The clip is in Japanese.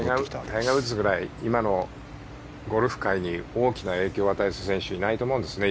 タイガー・ウッズぐらい今のゴルフ界に大きな影響を与える選手はいないと思うんですよね